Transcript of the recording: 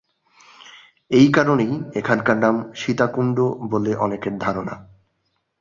এই কারণেই এখানকার নাম 'সীতাকুণ্ড' বলে অনেকের ধারণা।